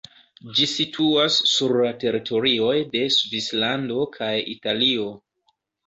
Ĝi situas sur la teritorioj de Svislando kaj Italio.